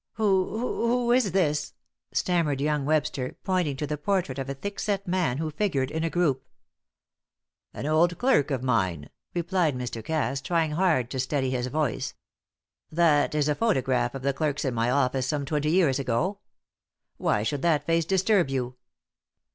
"Who who is this?" stammered young Webster, pointing to the portrait of a thick set man who figured in a group. "An old clerk of mine," replied Mr. Cass, trying hard to steady his voice. "That is a photograph of the clerks in my office some twenty years ago. Why should that face disturb you?"